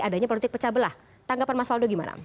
adanya politik pecah belah tanggapan mas waldo gimana